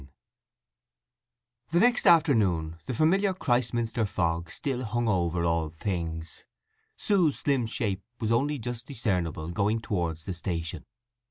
V The next afternoon the familiar Christminster fog still hung over all things. Sue's slim shape was only just discernible going towards the station.